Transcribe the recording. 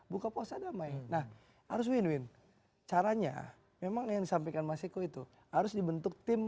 buka puasa damai nah harus win win caranya memang yang disampaikan mas eko itu harus dibentuk tim